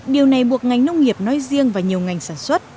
điều này buộc ngành nông nghiệp nói riêng và nhiều ngành sản xuất